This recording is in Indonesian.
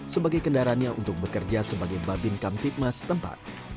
sebagai kendaranya untuk bekerja sebagai babin kamtikmas tempat